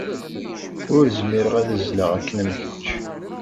Ur zmireɣ ad azzleɣ akken am kečč.